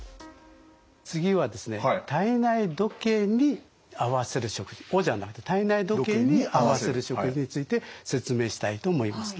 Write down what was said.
次はですね「を」じゃなくて体内時計に合わせる食事について説明したいと思います。